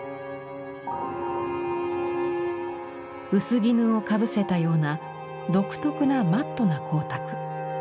薄絹をかぶせたような独特なマットな光沢。